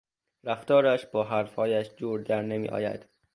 رفتارش با حرفهایش جور در نمیآید.